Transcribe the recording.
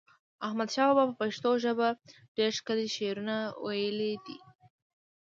احمد شاه بابا په پښتو ژپه ډیر ښکلی شعرونه وایلی دی